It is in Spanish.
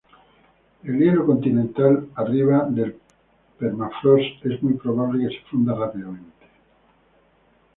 El hielo continental arriba del permafrost es muy probable que se funda rápidamente.